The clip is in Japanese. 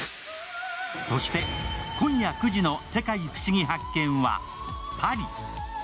そして、今夜９時の「世界ふしぎ発見！」はパリ。